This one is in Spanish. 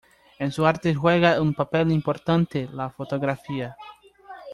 En su arte juega un papel importante la fotografía.